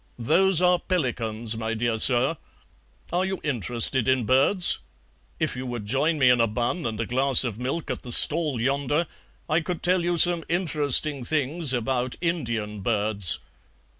"Those are pelicans, my dear sir. Are you interested in birds? If you would join me in a bun and a glass of milk at the stall yonder, I could tell you some interesting things about Indian birds.